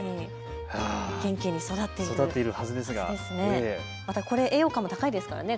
元気に育っているはずですがこれ栄養価も高いですからね。